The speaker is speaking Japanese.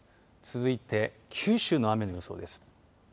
続いて九州の雨の予想です。